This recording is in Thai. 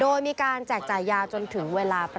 โดยมีการแจกจ่ายยาจนถึงเวลาประมาณ๑๒นาฬิกาค่ะ